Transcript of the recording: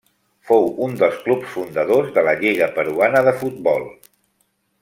Fou un dels clubs fundadors de la lliga peruana de futbol.